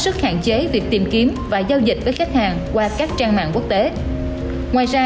sức hạn chế việc tìm kiếm và giao dịch với khách hàng qua các trang mạng quốc tế ngoài ra